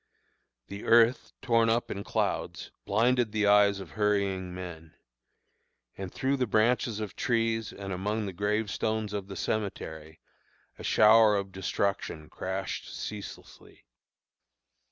The earth, torn up in clouds, blinded the eyes of hurrying men; and through the branches of trees and among the gravestones of the cemetery a shower of destruction crashed ceaselessly.